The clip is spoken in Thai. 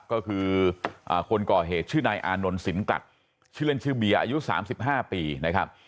ก็คือคนก่อเหตุชื่อนายอานนท์สินกลัดชื่อเล่นชื่อเบียร์อายุ๓๕ปีนะครับ